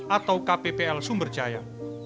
atau kppl sumber jaya